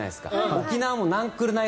沖縄もなんくるない